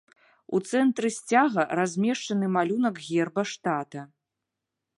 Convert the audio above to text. У цэнтры сцяга размешчаны малюнак герба штата.